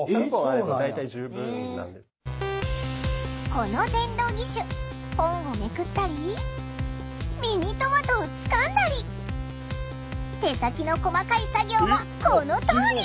この電動義手本をめくったりミニトマトをつかんだり手先の細かい作業もこのとおり！